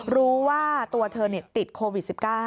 รู้ว่าตัวเธอติดโควิด๑๙